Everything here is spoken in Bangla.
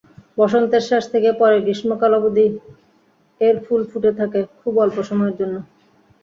বসন্তের শেষ থেকে পরের গ্রীষ্মকাল অবধি এর ফুল ফুটে থাকে, খুব অল্প সময়ের জন্য।